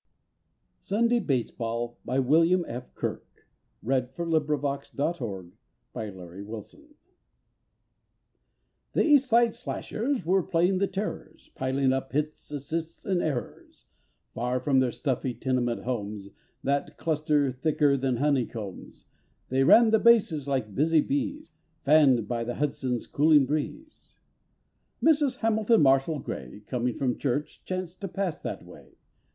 Well, yes, he may be, But where in the world is a pitcher like me? SUNDAY BASEBALL The East Side Slashers were playing the Terrors, Piling up hits, assists and errors; Far from their stuffy tenement homes That cluster thicker than honeycombs, They ran the bases like busy bees, Fanned by the Hudson's cooling breeze. Mrs. Hamilton Marshall Gray, Coming from church, chanced to pass that way.